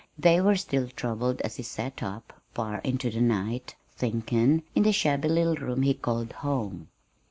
They were still troubled as he sat up far into the night, thinking, in the shabby little room he called home.